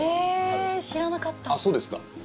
あっ、そうですか。